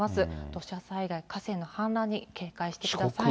土砂災害、河川の氾濫に警戒してください。